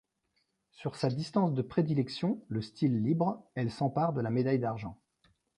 Sur sa distance de prédilection, le style libre, elle s'empare de la médaille d'argent.